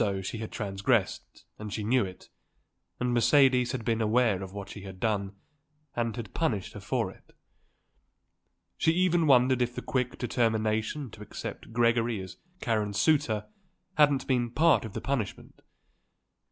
She had transgressed, and she knew it, and Mercedes had been aware of what she had done and had punished her for it. She even wondered if the quick determination to accept Gregory as Karen's suitor hadn't been part of the punishment.